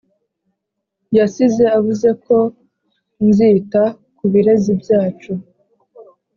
yasize avuze ko nzita ku birezi byacu